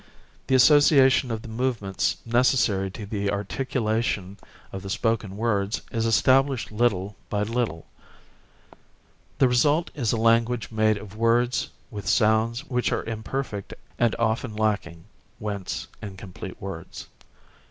The association of the movements necessary to the articulation of the spoken words is established little by little. The result is a language made of words with sounds which are imperfect and often lacking (whence incomplete words).